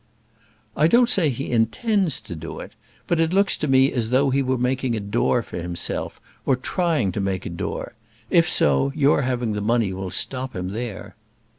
"I don't say he intends to do it; but it looks to me as though he were making a door for himself, or trying to make a door: if so, your having the money will stop him there."